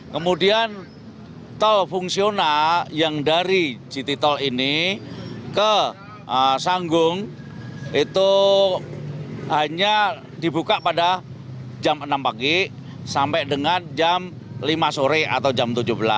kemudian tol fungsional yang dari citi tol ini ke sanggung itu hanya dibuka pada jam enam pagi sampai dengan jam lima sore atau jam tujuh belas